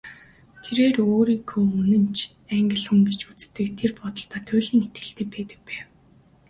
Тэр өөрийгөө үргэлж үнэнч Англи хүн гэж үздэг, тэр бодолдоо туйлын итгэлтэй байдаг байв.